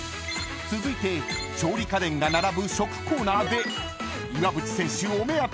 ［続いて調理家電が並ぶ食コーナーで］